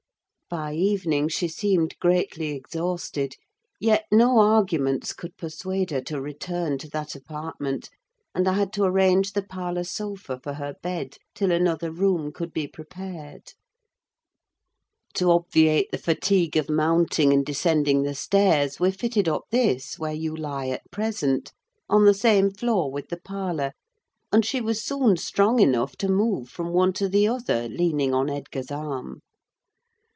By evening she seemed greatly exhausted; yet no arguments could persuade her to return to that apartment, and I had to arrange the parlour sofa for her bed, till another room could be prepared. To obviate the fatigue of mounting and descending the stairs, we fitted up this, where you lie at present—on the same floor with the parlour; and she was soon strong enough to move from one to the other, leaning on Edgar's arm.